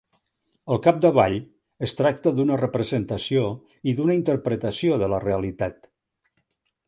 Al capdavall, es tracta d'una representació i d'una interpretació de la realitat.